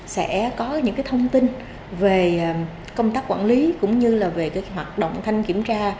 sẽ có những thông tin về công tác quản lý cũng như là về hoạt động thanh kiểm tra